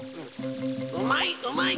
うまいうまい！